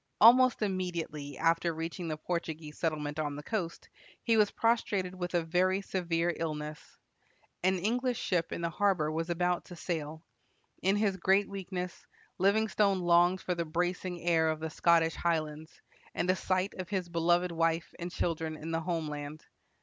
Almost immediately after reaching the Portuguese settlement on the coast, he was prostrated with a very severe illness. An English ship in the harbor was about to sail. In his great weakness, Livingstone longed for the bracing air of the Scottish highlands, and a sight of his beloved wife and children in the home land.